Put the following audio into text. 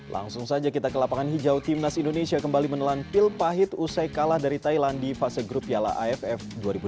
langsung saja kita ke lapangan hijau timnas indonesia kembali menelan pil pahit usai kalah dari thailand di fase grup piala aff dua ribu delapan belas